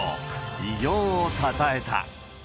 偉業をたたえた。